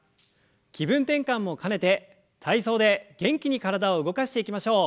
気分転換も兼ねて体操で元気に体を動かしていきましょう。